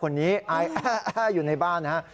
คนนี้ไออยู่ในบ้านนะ